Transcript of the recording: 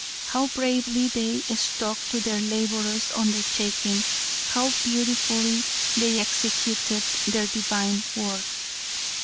How bravely they stuck to their laborious undertaking; how beautifully they executed their divine work.